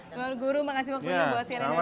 pak guru makasih waktu yang bawa